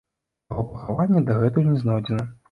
Яго пахаванне дагэтуль не знойдзена.